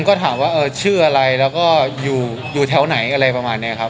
ก็ถามว่าชื่ออะไรแล้วก็อยู่แถวไหนอะไรประมาณนี้ครับ